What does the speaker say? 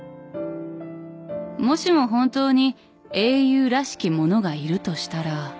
「もしも本当に英雄らしきものがいるとしたら」